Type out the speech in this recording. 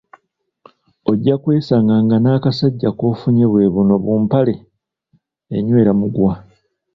Ojja kwesanga nga n'akasajja k'ofunye bwe buno bu "mpale enywera muguwa"